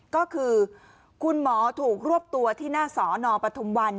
ก็คือคุณหมอถูกรวบตัวที่หน้าสอนอปทุมวัน